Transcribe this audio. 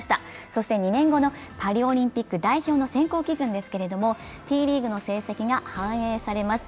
そして２年後のパリオリンピック代表の選考基準ですけれどもＴリーグの成績が反映されます。